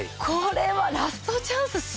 これはラストチャンス